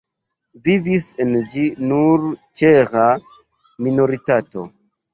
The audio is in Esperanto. Vivis en ĝi nur ĉeĥa minoritato.